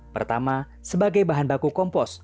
pertama sebagai bahan baku kompos